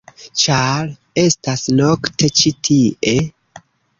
-ĉar estas nokte ĉi tie-.